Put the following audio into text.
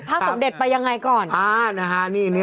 สมเด็จไปยังไงก่อน